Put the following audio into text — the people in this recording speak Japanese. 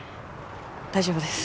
大丈夫です。